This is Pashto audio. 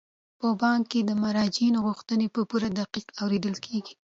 په بانک کې د مراجعینو غوښتنې په پوره دقت اوریدل کیږي.